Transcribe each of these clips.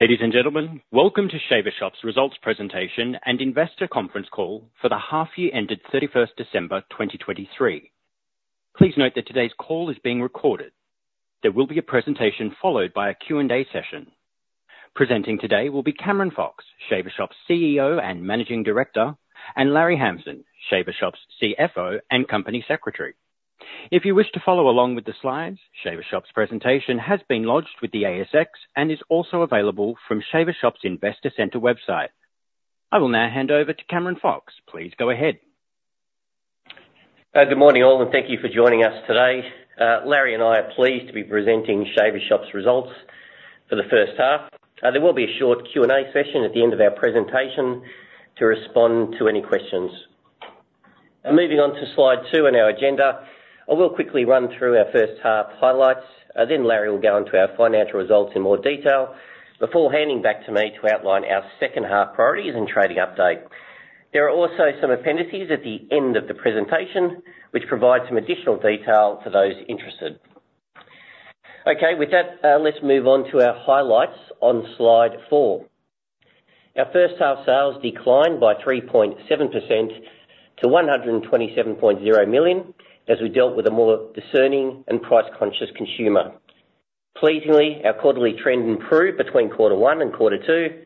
Ladies and gentlemen, welcome to Shaver Shop's results presentation and investor conference call for the half-year ended 31st December 2023. Please note that today's call is being recorded. There will be a presentation followed by a Q&A session. Presenting today will be Cameron Fox, Shaver Shop's CEO and Managing Director, and Larry Hamson, Shaver Shop's CFO and Company Secretary. If you wish to follow along with the slides, Shaver Shop's presentation has been lodged with the ASX and is also available from Shaver Shop's Investor Centre website. I will now hand over to Cameron Fox. Please go ahead. Good morning all, and thank you for joining us today. Larry and I are pleased to be presenting Shaver Shop's results for the first half. There will be a short Q&A session at the end of our presentation to respond to any questions. Moving on to slide two on our agenda, I will quickly run through our first half highlights, then Larry will go into our financial results in more detail before handing back to me to outline our second half priorities and trading update. There are also some appendices at the end of the presentation which provide some additional detail for those interested. Okay, with that, let's move on to our highlights on slide four. Our first half sales declined by 3.7% to 127.0 million as we dealt with a more discerning and price-conscious consumer. Pleasingly, our quarterly trend improved between quarter one and quarter two,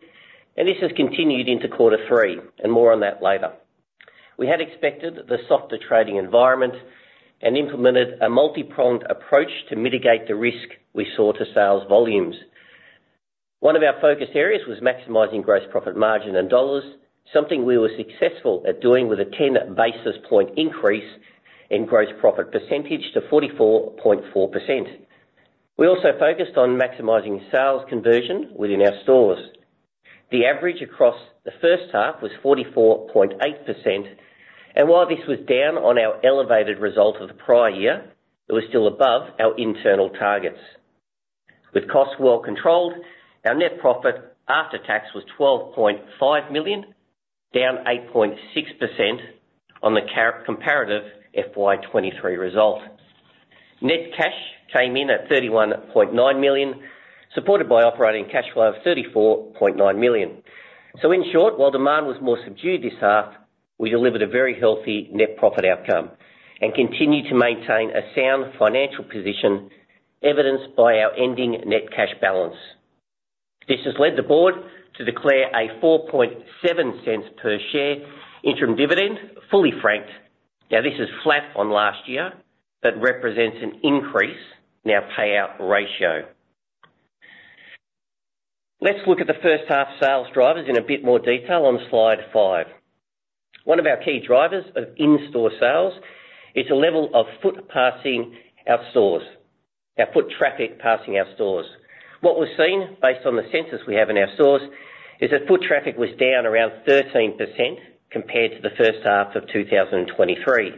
and this has continued into quarter three, and more on that later. We had expected the softer trading environment and implemented a multi-pronged approach to mitigate the risk we saw to sales volumes. One of our focus areas was maximizing gross profit margin in dollars, something we were successful at doing with a 10 basis point increase in gross profit percentage to 44.4%. We also focused on maximizing sales conversion within our stores. The average across the first half was 44.8%, and while this was down on our elevated result of the prior year, it was still above our internal targets. With costs well controlled, our net profit after tax was 12.5 million, down 8.6% on the comparative FY2023 result. Net cash came in at 31.9 million, supported by operating cash flow of 34.9 million. So in short, while demand was more subdued this half, we delivered a very healthy net profit outcome and continue to maintain a sound financial position evidenced by our ending net cash balance. This has led the board to declare a 0.047 per share interim dividend, fully franked. Now, this is flat on last year but represents an increase in our payout ratio. Let's look at the first half sales drivers in a bit more detail on slide five. One of our key drivers of in-store sales is the level of foot passing our stores, our foot traffic passing our stores. What we've seen based on the sensors we have in our stores is that foot traffic was down around 13% compared to the first half of 2023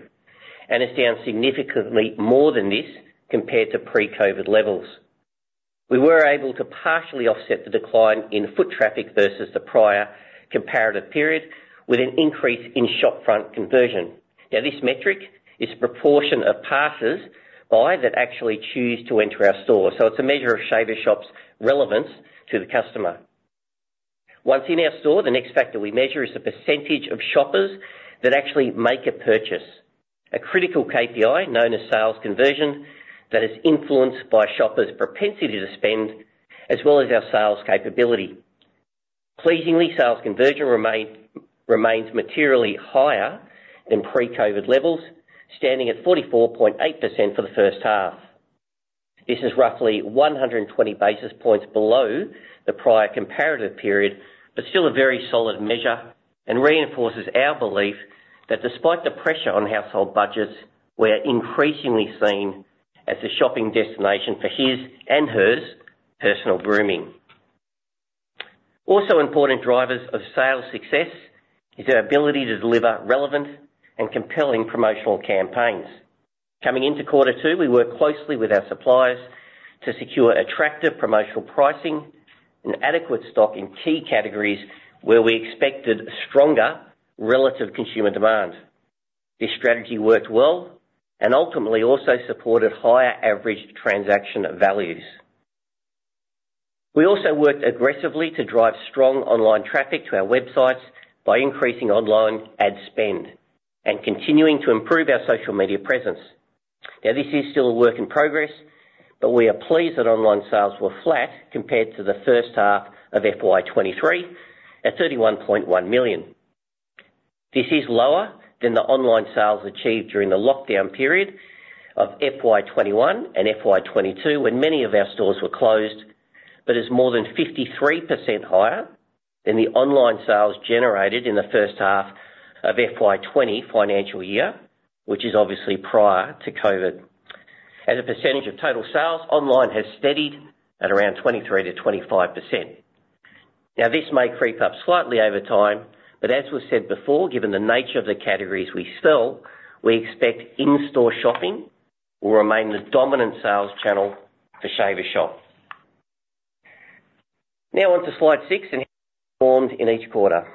and is down significantly more than this compared to pre-COVID levels. We were able to partially offset the decline in foot traffic versus the prior comparative period with an increase in shopfront conversion. Now, this metric is the proportion of passers-by that actually choose to enter our store, so it's a measure of Shaver Shop's relevance to the customer. Once in our store, the next factor we measure is the percentage of shoppers that actually make a purchase, a critical KPI known as sales conversion that is influenced by shoppers' propensity to spend as well as our sales capability. Pleasingly, sales conversion remains materially higher than pre-COVID levels, standing at 44.8% for the first half. This is roughly 120 basis points below the prior comparative period but still a very solid measure and reinforces our belief that despite the pressure on household budgets, we are increasingly seen as the shopping destination for his and hers personal grooming. Also important drivers of sales success is our ability to deliver relevant and compelling promotional campaigns. Coming into quarter two, we worked closely with our suppliers to secure attractive promotional pricing and adequate stock in key categories where we expected stronger relative consumer demand. This strategy worked well and ultimately also supported higher average transaction values. We also worked aggressively to drive strong online traffic to our websites by increasing online ad spend and continuing to improve our social media presence. Now, this is still a work in progress, but we are pleased that online sales were flat compared to the first half of FY2023 at 31.1 million. This is lower than the online sales achieved during the lockdown period of FY2021 and FY2022 when many of our stores were closed but is more than 53% higher than the online sales generated in the first half of FY20 financial year, which is obviously prior to COVID. As a percentage of total sales, online has steadied at around 23%-25%. Now, this may creep up slightly over time, but as was said before, given the nature of the categories we sell, we expect in-store shopping will remain the dominant sales channel for Shaver Shop. Now, onto slide 6 and how it performed in each quarter.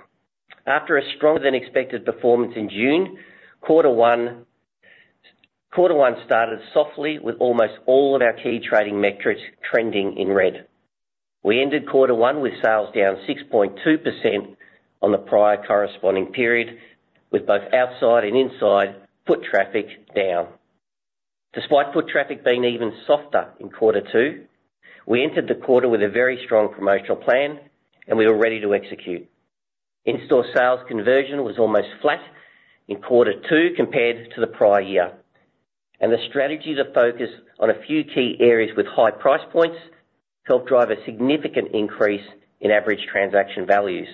After a stronger than expected performance in June, quarter one started softly with almost all of our key trading metrics trending in red. We ended quarter one with sales down 6.2% on the prior corresponding period with both outside and inside foot traffic down. Despite foot traffic being even softer in quarter two, we entered the quarter with a very strong promotional plan, and we were ready to execute. In-store sales conversion was almost flat in quarter two compared to the prior year, and the strategy that focused on a few key areas with high price points helped drive a significant increase in average transaction values.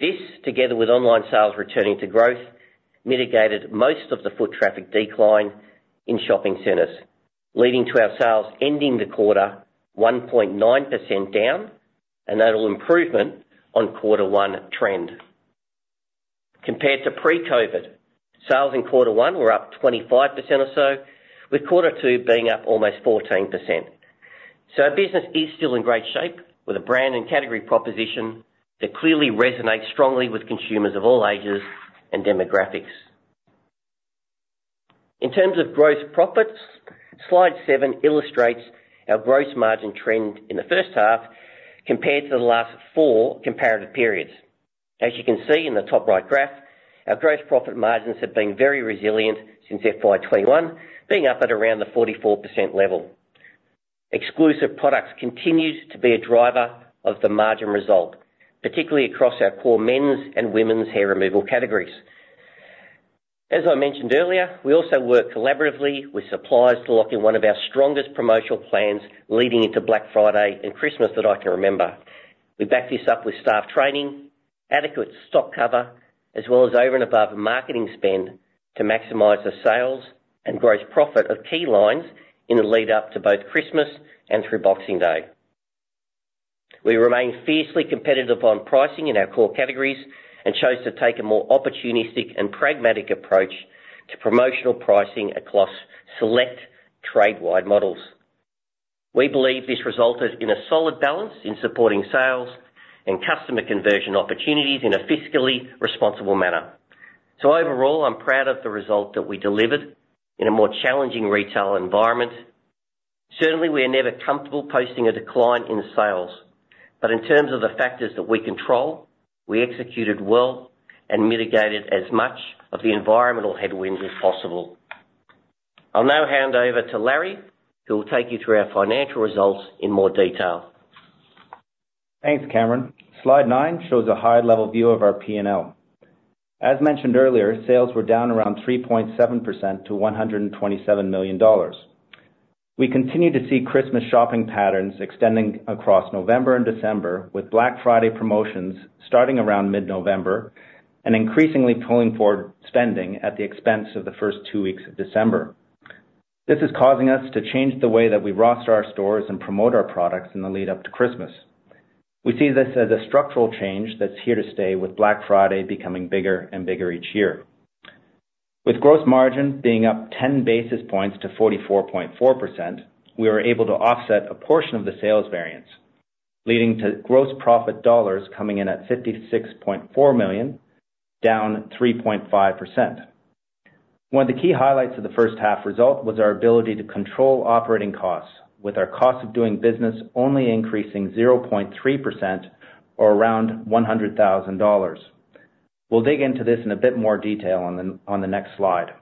This, together with online sales returning to growth, mitigated most of the foot traffic decline in shopping centers, leading to our sales ending the quarter 1.9% down, a notable improvement on quarter one trend. Compared to pre-COVID, sales in quarter one were up 25% or so, with quarter two being up almost 14%. Our business is still in great shape with a brand and category proposition that clearly resonates strongly with consumers of all ages and demographics. In terms of gross profits, slide seven illustrates our gross margin trend in the first half compared to the last four comparative periods. As you can see in the top right graph, our gross profit margins have been very resilient since FY2021, being up at around the 44% level. Exclusive products continue to be a driver of the margin result, particularly across our core men's and women's hair removal categories. As I mentioned earlier, we also work collaboratively with suppliers to lock in one of our strongest promotional plans leading into Black Friday and Christmas that I can remember. We back this up with staff training, adequate stock cover, as well as over and above marketing spend to maximize the sales and gross profit of key lines in the lead-up to both Christmas and through Boxing Day. We remain fiercely competitive on pricing in our core categories and chose to take a more opportunistic and pragmatic approach to promotional pricing across select trade-wide models. We believe this resulted in a solid balance in supporting sales and customer conversion opportunities in a fiscally responsible manner. So overall, I'm proud of the result that we delivered in a more challenging retail environment. Certainly, we are never comfortable posting a decline in sales, but in terms of the factors that we control, we executed well and mitigated as much of the environmental headwinds as possible. I'll now hand over to Larry, who will take you through our financial results in more detail. Thanks, Cameron. Slide nine shows a higher-level view of our P&L. As mentioned earlier, sales were down around 3.7% to 127 million dollars. We continue to see Christmas shopping patterns extending across November and December, with Black Friday promotions starting around mid-November and increasingly pulling forward spending at the expense of the first two weeks of December. This is causing us to change the way that we roster our stores and promote our products in the lead-up to Christmas. We see this as a structural change that's here to stay, with Black Friday becoming bigger and bigger each year. With gross margin being up 10 basis points to 44.4%, we were able to offset a portion of the sales variance, leading to gross profit dollars coming in at 56.4 million, down 3.5%. One of the key highlights of the first half result was our ability to control operating costs, with our cost of doing business only increasing 0.3% or around 100,000 dollars. We'll dig into this in a bit more detail on the next slide.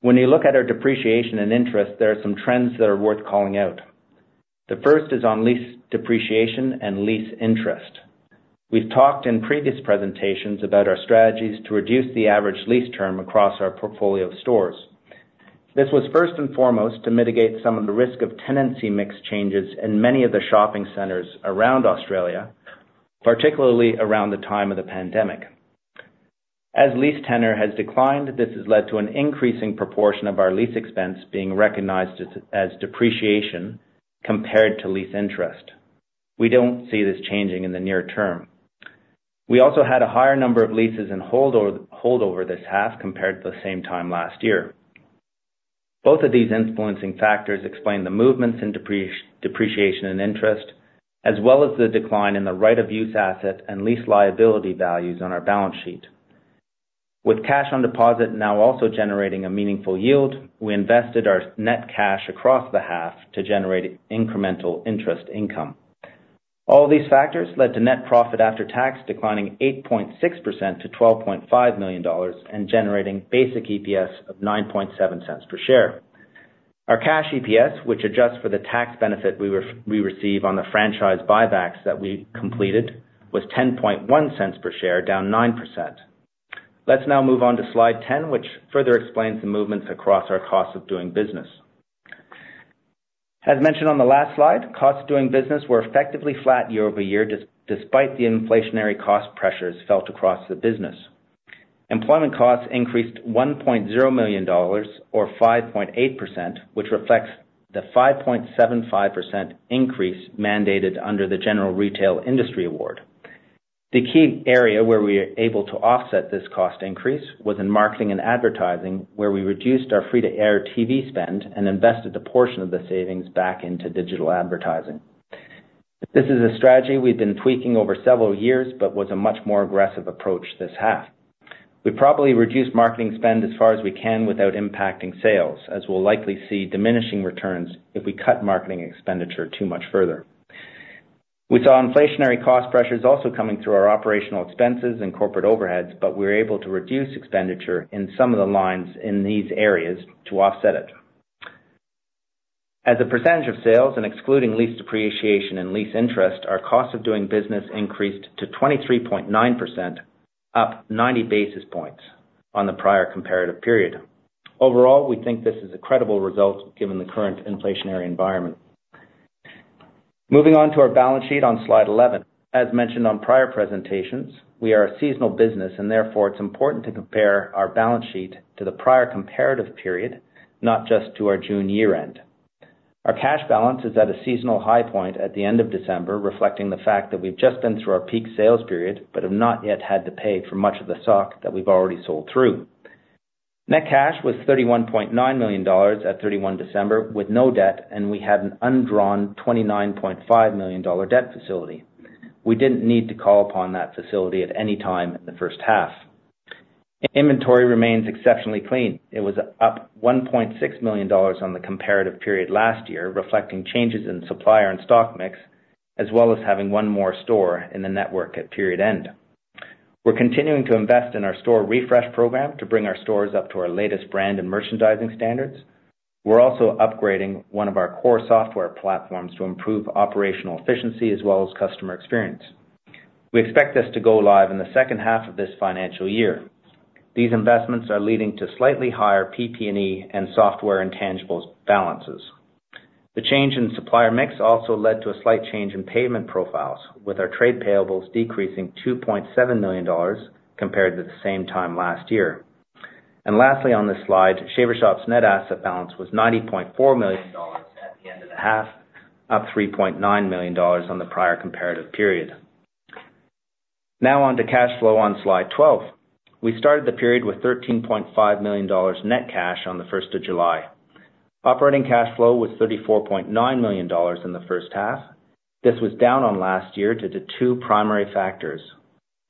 When you look at our depreciation and interest, there are some trends that are worth calling out. The first is on lease depreciation and lease interest. We've talked in previous presentations about our strategies to reduce the average lease term across our portfolio of stores. This was first and foremost to mitigate some of the risk of tenancy mix changes in many of the shopping centers around Australia, particularly around the time of the pandemic. As lease tenor has declined, this has led to an increasing proportion of our lease expense being recognized as depreciation compared to lease interest. We don't see this changing in the near term. We also had a higher number of leases in holdover this half compared to the same time last year. Both of these influencing factors explain the movements in depreciation and interest, as well as the decline in the Right-of-Use Asset and lease liability values on our balance sheet. With cash on deposit now also generating a meaningful yield, we invested our Net Cash across the half to generate incremental interest income. All of these factors led to Net Profit After Tax declining 8.6% to 12.5 million dollars and generating basic EPS of 0.097 per share. Our cash EPS, which adjusts for the tax benefit we receive on the franchise buybacks that we completed, was 0.101 per share, down 9%. Let's now move on to slide 10, which further explains the movements across our Cost of Doing Business. As mentioned on the last slide, costs of doing business were effectively flat year-over-year despite the inflationary cost pressures felt across the business. Employment costs increased 1.0 million dollars or 5.8%, which reflects the 5.75% increase mandated under the General Retail Industry Award. The key area where we were able to offset this cost increase was in marketing and advertising, where we reduced our free-to-air TV spend and invested a portion of the savings back into digital advertising. This is a strategy we've been tweaking over several years but was a much more aggressive approach this half. We probably reduce marketing spend as far as we can without impacting sales, as we'll likely see diminishing returns if we cut marketing expenditure too much further. We saw inflationary cost pressures also coming through our operational expenses and corporate overheads, but we were able to reduce expenditure in some of the lines in these areas to offset it. As a percentage of sales, and excluding lease depreciation and lease interest, our costs of doing business increased to 23.9%, up 90 basis points on the prior comparative period. Overall, we think this is a credible result given the current inflationary environment. Moving on to our balance sheet on slide 11. As mentioned on prior presentations, we are a seasonal business, and therefore it's important to compare our balance sheet to the prior comparative period, not just to our June year-end. Our cash balance is at a seasonal high point at the end of December, reflecting the fact that we've just been through our peak sales period but have not yet had to pay for much of the stock that we've already sold through. Net cash was 31.9 million dollars at 31 December with no debt, and we had an undrawn 29.5 million dollar debt facility. We didn't need to call upon that facility at any time in the first half. Inventory remains exceptionally clean. It was up 1.6 million dollars on the comparative period last year, reflecting changes in supplier and stock mix as well as having one more store in the network at period end. We're continuing to invest in our store refresh program to bring our stores up to our latest brand and merchandising standards. We're also upgrading one of our core software platforms to improve operational efficiency as well as customer experience. We expect this to go live in the second half of this financial year. These investments are leading to slightly higher PP&E and software intangibles balances. The change in supplier mix also led to a slight change in payment profiles, with our trade payables decreasing 2.7 million dollars compared to the same time last year. Lastly on this slide, Shaver Shop's net asset balance was 90.4 million dollars at the end of the half, up 3.9 million dollars on the prior comparative period. Now onto cash flow on slide 12. We started the period with 13.5 million dollars net cash on the 1st of July. Operating cash flow was 34.9 million dollars in the first half. This was down on last year due to two primary factors,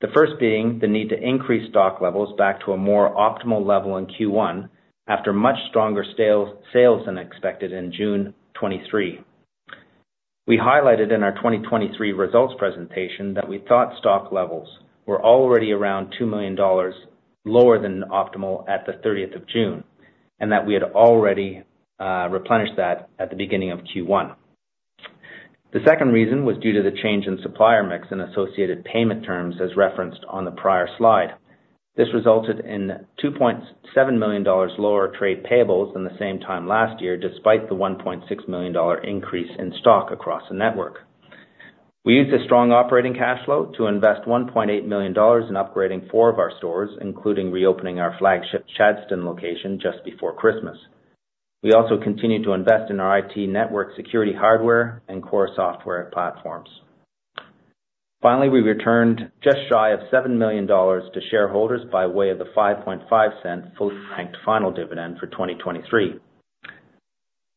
the first being the need to increase stock levels back to a more optimal level in Q1 after much stronger sales than expected in June 2023. We highlighted in our 2023 results presentation that we thought stock levels were already around 2 million dollars lower than optimal at the 30th of June, and that we had already replenished that at the beginning of Q1. The second reason was due to the change in supplier mix and associated payment terms as referenced on the prior slide. This resulted in 2.7 million dollars lower trade payables than the same time last year despite the 1.6 million dollar increase in stock across the network. We used a strong operating cash flow to invest 1.8 million dollars in upgrading four of our stores, including reopening our flagship Chadstone location just before Christmas. We also continued to invest in our IT network security hardware and core software platforms. Finally, we returned just shy of 7 million dollars to shareholders by way of the 0.055 fully franked final dividend for 2023.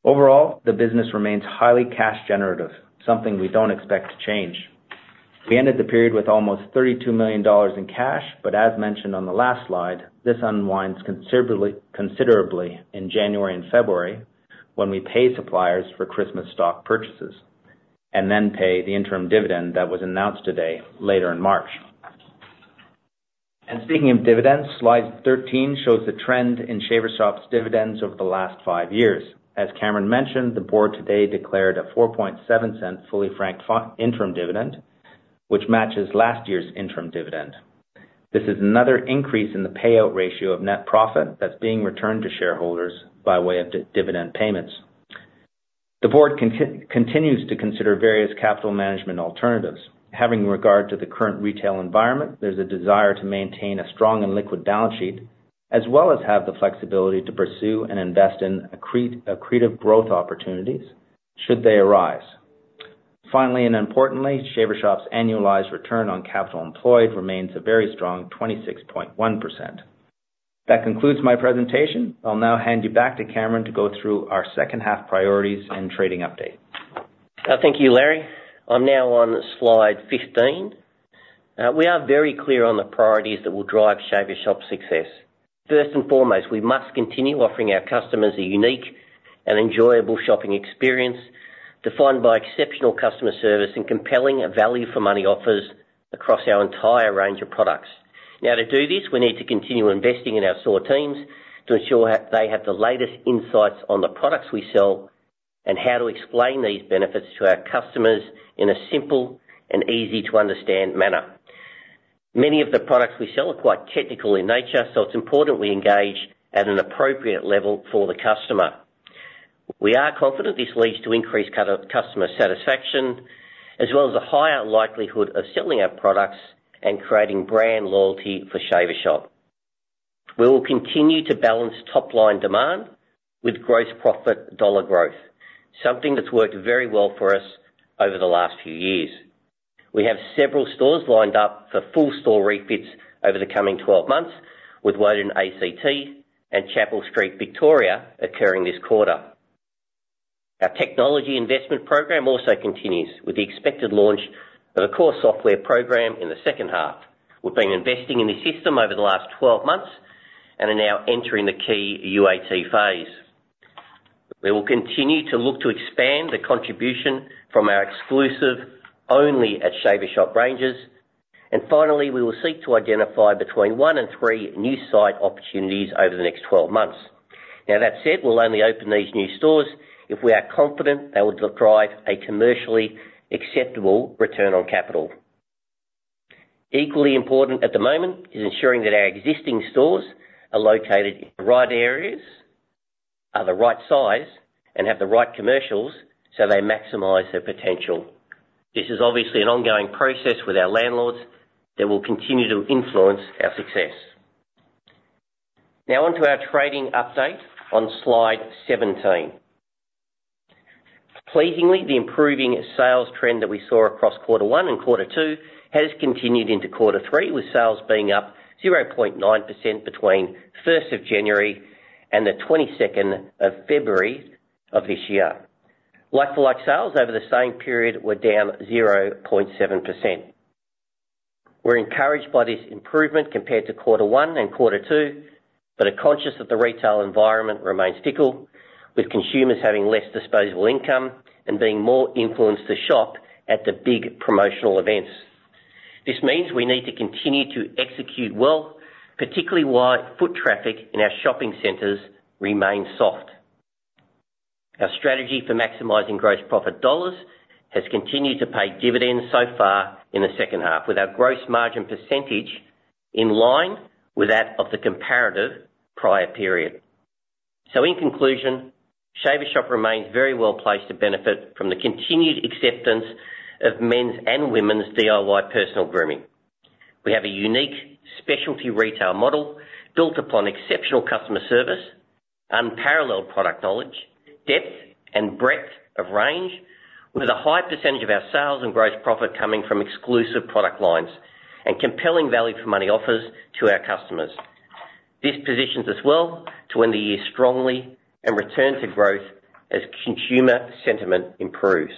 Overall, the business remains highly cash-generative, something we don't expect to change. We ended the period with almost 32 million dollars in cash, but as mentioned on the last slide, this unwinds considerably in January and February when we pay suppliers for Christmas stock purchases and then pay the interim dividend that was announced today later in March. Speaking of dividends, slide 13 shows the trend in Shaver Shop's dividends over the last five years. As Cameron mentioned, the board today declared a 0.047 fully franked interim dividend, which matches last year's interim dividend. This is another increase in the payout ratio of net profit that's being returned to shareholders by way of dividend payments. The board continues to consider various capital management alternatives. Having regard to the current retail environment, there's a desire to maintain a strong and liquid balance sheet as well as have the flexibility to pursue and invest in accretive growth opportunities should they arise. Finally, and importantly, Shaver Shop's annualized return on capital employed remains a very strong 26.1%. That concludes my presentation. I'll now hand you back to Cameron to go through our second half priorities and trading update. Thank you, Larry. I'm now on slide 15. We are very clear on the priorities that will drive Shaver Shop's success. First and foremost, we must continue offering our customers a unique and enjoyable shopping experience defined by exceptional customer service and compelling value-for-money offers across our entire range of products. Now, to do this, we need to continue investing in our store teams to ensure they have the latest insights on the products we sell and how to explain these benefits to our customers in a simple and easy-to-understand manner. Many of the products we sell are quite technical in nature, so it's important we engage at an appropriate level for the customer. We are confident this leads to increased customer satisfaction as well as a higher likelihood of selling our products and creating brand loyalty for Shaver Shop. We will continue to balance top-line demand with gross profit dollar growth, something that's worked very well for us over the last few years. We have several stores lined up for full-store refits over the coming 12 months, with Woden, ACT and Chapel Street, Victoria, occurring this quarter. Our technology investment program also continues with the expected launch of a core software program in the second half. We've been investing in this system over the last 12 months and are now entering the key UAT phase. We will continue to look to expand the contribution from our exclusive only at Shaver Shop ranges, and finally, we will seek to identify between one and three new site opportunities over the next 12 months. Now, that said, we'll only open these new stores if we are confident they will drive a commercially acceptable return on capital. Equally important at the moment is ensuring that our existing stores are located in the right areas, are the right size, and have the right commercials so they maximize their potential. This is obviously an ongoing process with our landlords that will continue to influence our success. Now onto our trading update on slide 17. Pleasingly, the improving sales trend that we saw across quarter one and quarter two has continued into quarter three, with sales being up 0.9% between 1st of January and the 22nd of February of this year. Like-for-like sales over the same period were down 0.7%. We're encouraged by this improvement compared to quarter one and quarter two, but are conscious that the retail environment remains fickle, with consumers having less disposable income and being more influenced to shop at the big promotional events. This means we need to continue to execute well, particularly why foot traffic in our shopping centers remains soft. Our strategy for maximizing gross profit dollars has continued to pay dividends so far in the second half, with our gross margin percentage in line with that of the comparative prior period. So in conclusion, Shaver Shop remains very well placed to benefit from the continued acceptance of men's and women's DIY personal grooming. We have a unique specialty retail model built upon exceptional customer service, unparalleled product knowledge, depth, and breadth of range, with a high percentage of our sales and gross profit coming from exclusive product lines and compelling value-for-money offers to our customers. This positions us well to end the year strongly and return to growth as consumer sentiment improves.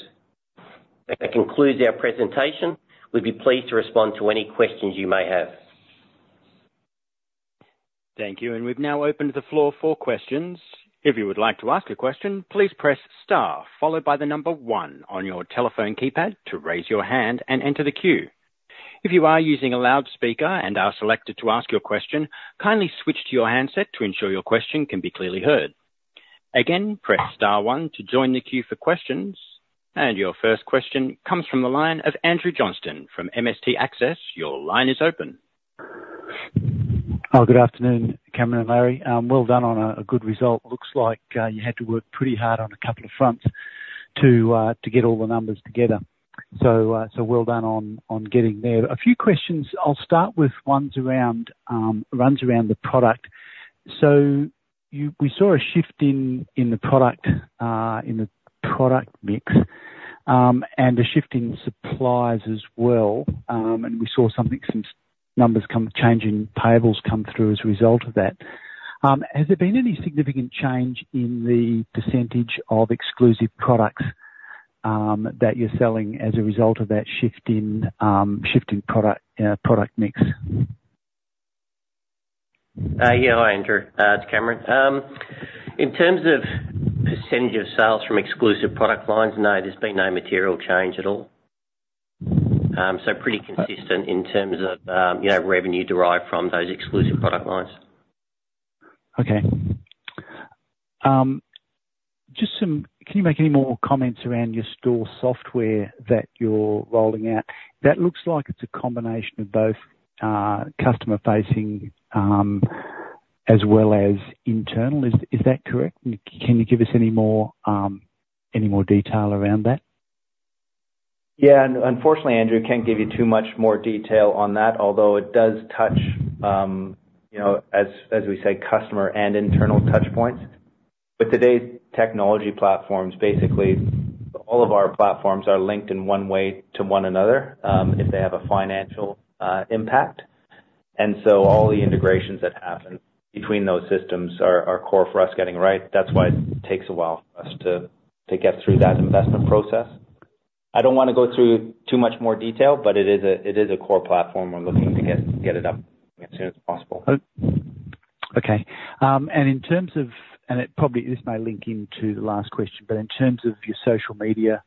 That concludes our presentation. We'd be pleased to respond to any questions you may have. Thank you. We've now opened the floor for questions. If you would like to ask a question, please press star followed by the number one on your telephone keypad to raise your hand and enter the queue. If you are using a loudspeaker and are selected to ask your question, kindly switch to your handset to ensure your question can be clearly heard. Again, press star one to join the queue for questions, and your first question comes from the line of Andrew Johnston from MST Access. Your line is open. Oh, good afternoon, Cameron and Larry. Well done on a good result. Looks like you had to work pretty hard on a couple of fronts to get all the numbers together. So well done on getting there. A few questions. I'll start with ones that runs around the product. So we saw a shift in the product mix and a shift in supplies as well, and we saw some numbers changing payables come through as a result of that. Has there been any significant change in the percentage of exclusive products that you're selling as a result of that shift in product mix? Yeah, hi, Andrew. It's Cameron. In terms of percentage of sales from exclusive product lines, no, there's been no material change at all. So pretty consistent in terms of revenue derived from those exclusive product lines. Okay. Can you make any more comments around your store software that you're rolling out? That looks like it's a combination of both customer-facing as well as internal. Is that correct? Can you give us any more detail around that? Yeah. Unfortunately, Andrew can't give you too much more detail on that, although it does touch, as we say, customer and internal touchpoints. With today's technology platforms, basically, all of our platforms are linked in one way to one another if they have a financial impact. So all the integrations that happen between those systems are core for us getting right. That's why it takes a while for us to get through that investment process. I don't want to go through too much more detail, but it is a core platform. We're looking to get it up as soon as possible. Okay. And in terms of, and this may link into the last question, but in terms of your social media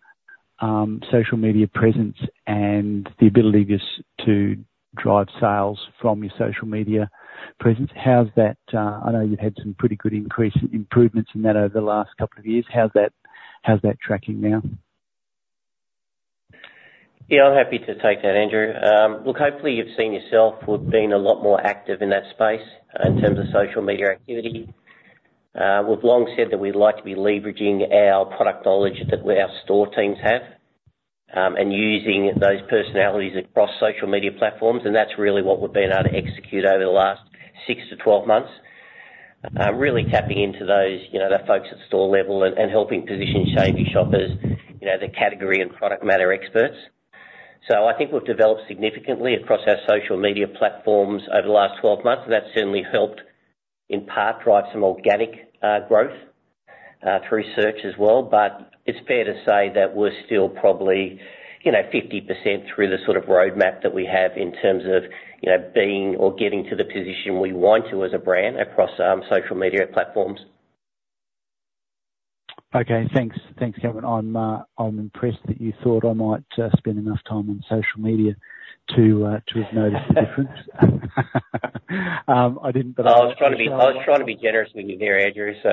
presence and the ability to drive sales from your social media presence, how's that? I know you've had some pretty good improvements in that over the last couple of years. How's that tracking now? Yeah, I'm happy to take that, Andrew. Look, hopefully, you've seen yourself being a lot more active in that space in terms of social media activity. We've long said that we'd like to be leveraging our product knowledge that our store teams have and using those personalities across social media platforms. And that's really what we've been able to execute over the last six-12 months, really tapping into those folks at store level and helping position Shaver Shop as the category and product matter experts. So I think we've developed significantly across our social media platforms over the last 12 months, and that's certainly helped in part drive some organic growth through search as well. It's fair to say that we're still probably 50% through the sort of roadmap that we have in terms of being or getting to the position we want to as a brand across social media platforms. Okay. Thanks, Cameron. I'm impressed that you thought I might spend enough time on social media to have noticed the difference. I didn't, but I was. I was trying to be generous with you there, Andrew, so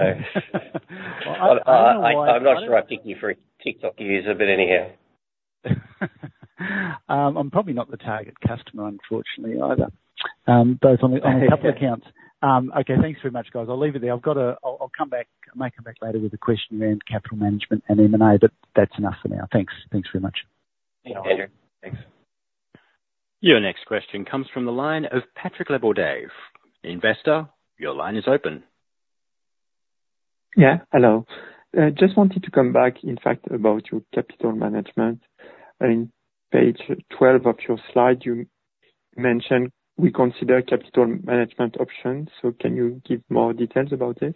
I'm not sure I'm picking you for a TikTok user, but anyhow. I'm probably not the target customer, unfortunately, either, both on a couple of accounts. Okay. Thanks very much, guys. I'll leave it there. I'll come back later with a question around capital management and M&A, but that's enough for now. Thanks very much. Yeah, Andrew. Thanks. Your next question comes from the line of Patrick Labordet, investor. Your line is open. Yeah. Hello. Just wanted to come back, in fact, about your capital management. In page 12 of your slide, you mentioned we consider capital management options. So can you give more details about this?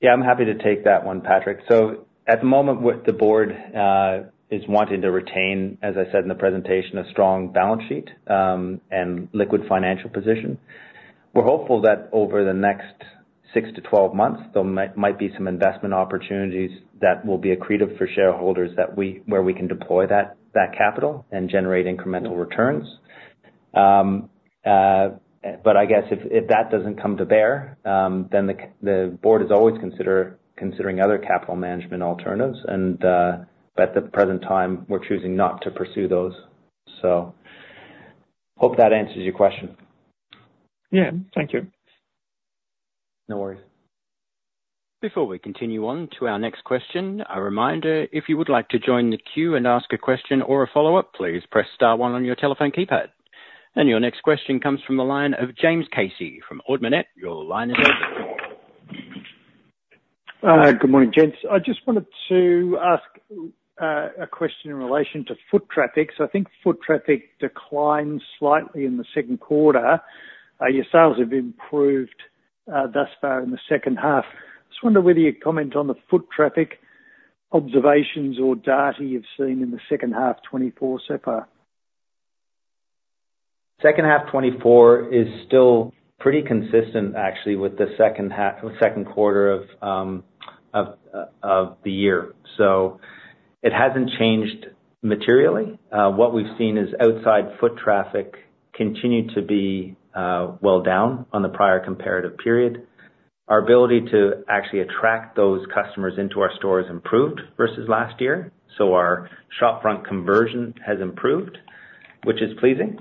Yeah, I'm happy to take that one, Patrick. So at the moment, the board is wanting to retain, as I said in the presentation, a strong balance sheet and liquid financial position. We're hopeful that over the next six-12 months, there might be some investment opportunities that will be accretive for shareholders where we can deploy that capital and generate incremental returns. But I guess if that doesn't come to bear, then the board is always considering other capital management alternatives. But at the present time, we're choosing not to pursue those. So, hope that answers your question. Yeah. Thank you. No worries. Before we continue on to our next question, a reminder, if you would like to join the queue and ask a question or a follow-up, please press star one on your telephone keypad. Your next question comes from the line of James Casey from Ord Minnett. Your line is open. Good morning, gents. I just wanted to ask a question in relation to foot traffic. So I think foot traffic declined slightly in the second quarter. Your sales have improved thus far in the second half. I just wonder whether you'd comment on the foot traffic observations or data you've seen in the second half 2024 so far. Second half 2024 is still pretty consistent, actually, with the second quarter of the year. So it hasn't changed materially. What we've seen is outside foot traffic continue to be well down on the prior comparative period. Our ability to actually attract those customers into our store has improved versus last year. So our shopfront conversion has improved, which is pleasing,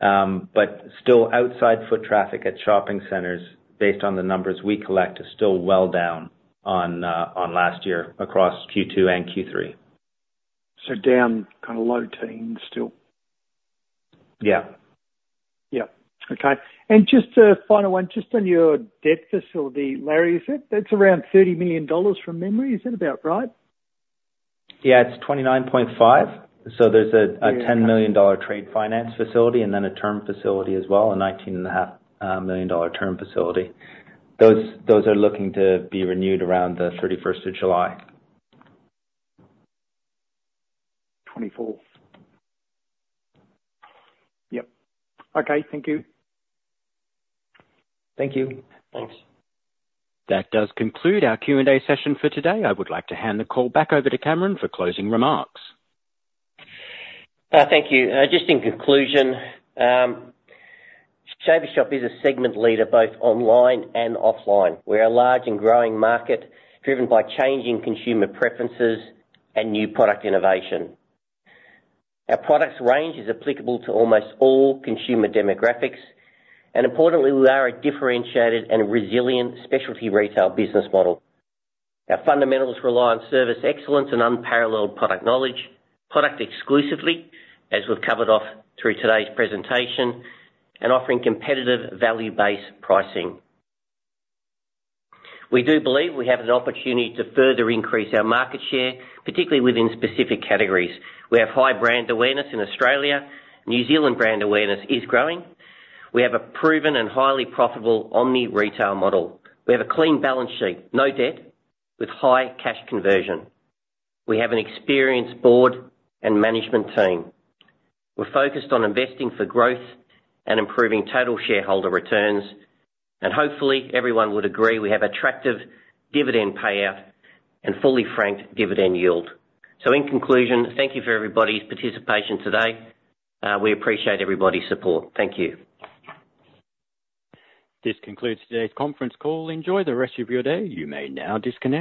but still outside foot traffic at shopping centres, based on the numbers we collect, is still well down on last year across Q2 and Q3. So down kind of low teens still? Yeah. Yeah. Okay. Just a final one, just on your debt facility, Larry, is it? That's around 30 million dollars from memory. Is that about right? Yeah, it's 29.5. So there's a 10 million dollar trade finance facility and then a term facility as well, a 19.5 million dollar term facility. Those are looking to be renewed around the 31st of July. 2024. Yep. Okay. Thank you. Thank you. Thanks. That does conclude our Q&A session for today. I would like to hand the call back over to Cameron for closing remarks. Thank you. Just in conclusion, Shaver Shop is a segment leader both online and offline. We're a large and growing market driven by changing consumer preferences and new product innovation. Our product range is applicable to almost all consumer demographics, and importantly, we are a differentiated and resilient specialty retail business model. Our fundamentals rely on service excellence and unparalleled product knowledge, product exclusivity, as we've covered off through today's presentation, and offering competitive, value-based pricing. We do believe we have an opportunity to further increase our market share, particularly within specific categories. We have high brand awareness in Australia. New Zealand brand awareness is growing. We have a proven and highly profitable omni-retail model. We have a clean balance sheet, no debt, with high cash conversion. We have an experienced board and management team. We're focused on investing for growth and improving total shareholder returns. Hopefully, everyone would agree we have attractive dividend payout and fully frank dividend yield. In conclusion, thank you for everybody's participation today. We appreciate everybody's support. Thank you. This concludes today's conference call. Enjoy the rest of your day. You may now disconnect.